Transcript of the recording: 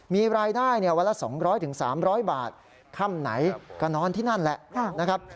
มีรายได้วันละ๒๐๐๓๐๐บาทค่ำไหนก็นอนที่นั่นแหละนะครับ